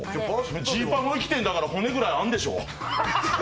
ジーパンも生きてるんだから、骨ぐらいあるでしょう！